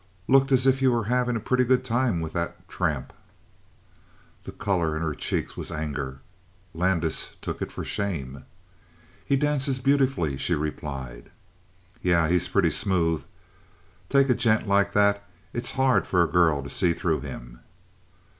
"Looked as if you were having a pretty good time with that tramp." The color in her cheeks was anger; Landis took it for shame. "He dances beautifully," she replied. "Yeh; he's pretty smooth. Take a gent like that, it's hard for a girl to see through him."